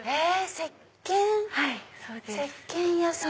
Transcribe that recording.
せっけん屋さん？